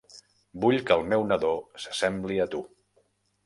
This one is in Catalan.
Vull que el meu nadó s'assembli a tu.